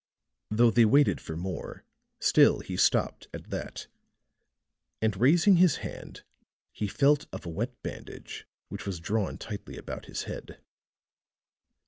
Though they waited for more, still he stopped at that; and raising his hand he felt of a wet bandage which was drawn tightly about his head.